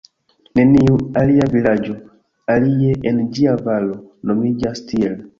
Neniu alia vilaĝo, alie en ĝia valo, nomiĝas tiel.